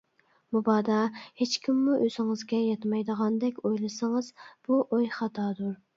مۇبادا، ھېچكىممۇ ئۆزىڭىزگە يەتمەيدىغاندەك ئويلىسىڭىز، بۇ ئوي خاتادۇر.